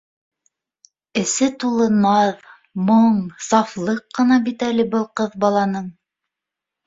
Эсе тулы наҙ, моң, сафлыҡ ҡына бит әле был ҡыҙ баланың